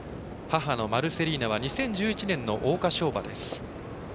母のマルセリーナは２０１１年の桜花賞馬です。